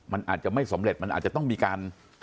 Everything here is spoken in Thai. มันอาจจะไม่สำเร็จมันอาจจะต้องมีการ